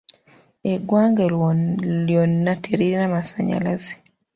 Eggwanga lyonna teririna masannyalaze.